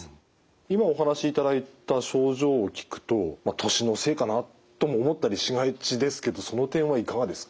今お話しいただいた症状を聞くと年のせいかなとも思ったりしがちですけどその点はいかがですか？